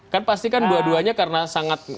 kan pastikan dua duanya karena sangat